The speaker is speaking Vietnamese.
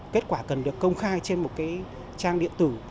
kết quả cần được công khai trên một trang điện tử